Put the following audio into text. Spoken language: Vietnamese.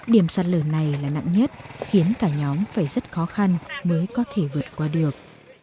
điểm sạt lở này là nặng nhất khiến cả nhóm phải rất khó khăn mới có thể vượt qua được